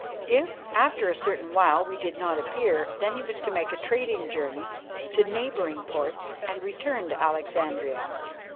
If after a certain while we did not appear, then he was to make a trading journey to neighbouring ports and return to Alexandria.